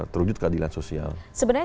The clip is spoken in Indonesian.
terwujud keadilan sosial sebenarnya